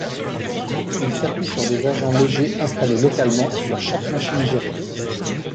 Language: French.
Il s'appuie sur des agents légers installés localement sur chaque machine gérée.